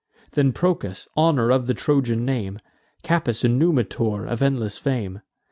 Then Procas, honour of the Trojan name, Capys, and Numitor, of endless fame.